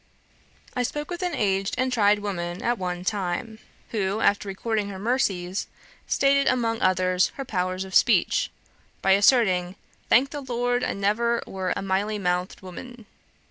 "I spoke with an aged and tried woman at one time, who, after recording her mercies, stated, among others, her powers of speech, by asserting 'Thank the Lord, ah nivver wor a meilly meouthed wumman.'